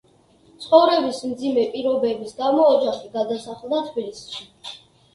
ცხოვრების მძიმე პირობების გამო ოჯახი გადასახლდა თბილისში.